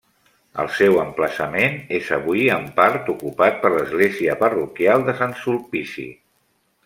El seu emplaçament és avui en part ocupat per l'església parroquial de Sant Sulpici.